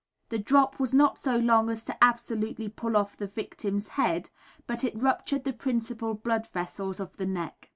The drop was not so long as to absolutely pull off the victim's head, but it ruptured the principal blood vessels of the neck.